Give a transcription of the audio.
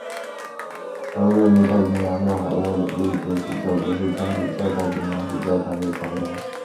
而位于太平洋的海外领地的主教们则是天主教太平洋主教团的成员。